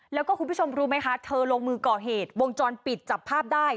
แล้วก็คุณผู้ชมรู้ไหมคะเธอลงมือก่อเหตุวงจรปิดจับภาพได้